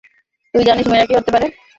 তুই জানিস মেয়েরা কি হতে পারে?